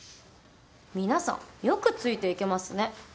皆さんよくついていけますね。